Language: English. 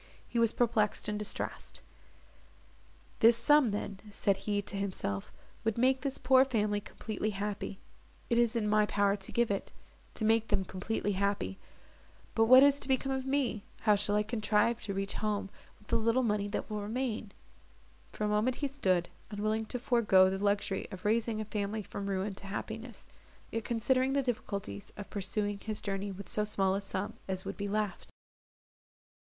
He was perplexed and distressed. "This sum then," said he to himself, "would make this poor family completely happy—it is in my power to give it—to make them completely happy! But what is to become of me?—how shall I contrive to reach home with the little money that will remain?" For a moment he stood, unwilling to forego the luxury of raising a family from ruin to happiness, yet considering the difficulties of pursuing his journey with so small a sum as would be left.